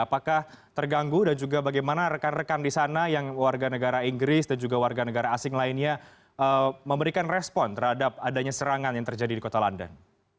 apakah terganggu dan juga bagaimana rekan rekan di sana yang warga negara inggris dan juga warga negara asing lainnya memberikan respon terhadap adanya serangan yang terjadi di kota london